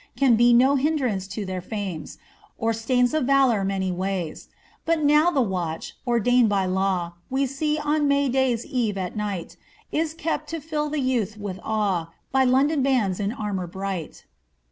Can be no hindrance to their fiunes, Or stains of valour any ways. But now the vratch, ordained by law. We see on May day's eve at night. Is kept to fill the youth with awe, By London bands in armour bright."